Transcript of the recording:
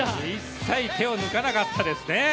一切手を抜かなかったですね。